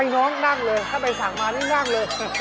อีน้องนั่งเลยถ้าไปสั่งมานี่นั่งเลยวกิน